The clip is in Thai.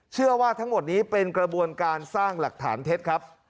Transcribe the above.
เชื่อว่าทั้งหมดนี้เป็นกระบวนการสร้างหลักฐานเท็จครับ